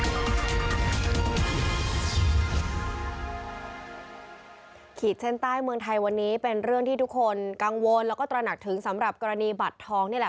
ขีดเส้นใต้เมืองไทยวันนี้เป็นเรื่องที่ทุกคนกังวลแล้วก็ตระหนักถึงสำหรับกรณีบัตรทองนี่แหละ